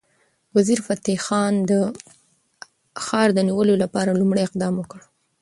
وزیرفتح خان د ښار د نیولو لپاره لومړی اقدام وکړ.